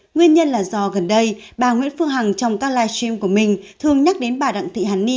nguyên nhân là do gần đây bà nguyễn phương hằng trong các live stream của mình thường nhắc đến bà đặng thị hàn ni